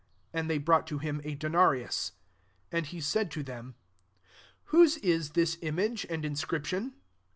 And they brought to him a denarius. SO And he said to them, "Whose is this image and in scription